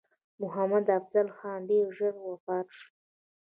محمدافضل خان ډېر ژر وفات شو.